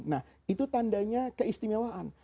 nah itu tandanya keistimewaan